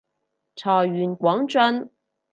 財源廣進